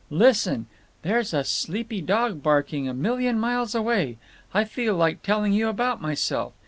… Listen! There's a sleepy dog barking, a million miles away…. I feel like telling you about myself.